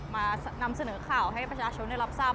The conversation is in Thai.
มานำเสนอข่าวให้ประชาชนได้รับทราบ